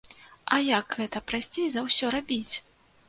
А як гэта прасцей за ўсё рабіць?